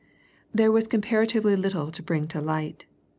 There was comparatively little to bring to light.